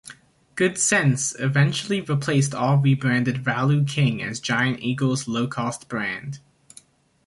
Good Cents eventually replaced all rebranded Valu King as Giant Eagle's low-cost brand.